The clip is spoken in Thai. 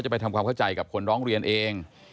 ไปทำความเข้าใจกับคนร้องเรียนเอง